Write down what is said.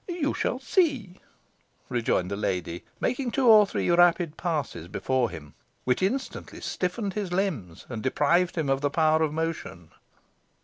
"You shall see," rejoined the lady, making two or three rapid passes before him, which instantly stiffened his limbs, and deprived him of the power of motion.